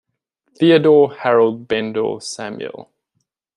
Theodore Harold Bendor-Samuel.